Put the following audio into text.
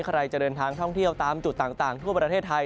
ใครจะเดินทางท่องเที่ยวตามจุดต่างทั่วประเทศไทย